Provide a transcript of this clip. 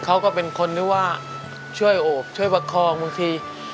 เขาก็เป็นคนที่ว่าช่วยโอบช่วยประคองบางที